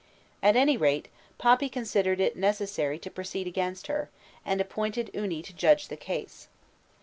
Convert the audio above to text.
At any rate, Papi considered it necessary to proceed against her, and appointed Uni to judge the case.